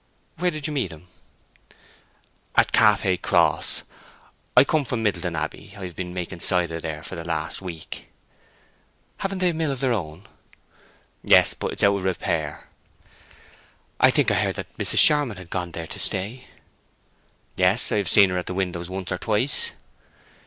"Where did you meet him?" "At Calfhay Cross. I come from Middleton Abbey; I have been making there for the last week." "Haven't they a mill of their own?" "Yes, but it's out of repair." "I think—I heard that Mrs. Charmond had gone there to stay?" "Yes. I have seen her at the windows once or twice."